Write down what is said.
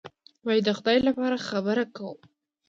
وایي: د خدای لپاره خبره کوم.